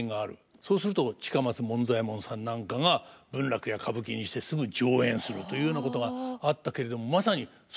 そうすると近松門左衛門さんなんかが文楽や歌舞伎にしてすぐ上演するというようなことがあったけれどもまさにそれと一緒ですよね。